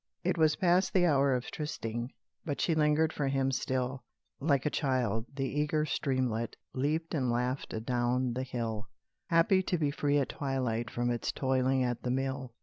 It was past the hour of trysting, But she lingered for him still; Like a child, the eager streamlet Leaped and laughed adown the hill, Happy to be free at twilight From its toiling at the mill.